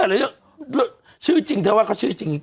ว่าคือชื่อที่จริง